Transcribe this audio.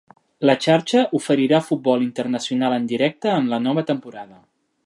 La Xarxa oferirà futbol internacional en directe en la nova temporada.